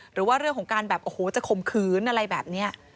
หรือว่าเรื่องของการแบบโอ้โหจะข่มขืนอะไรแบบนี้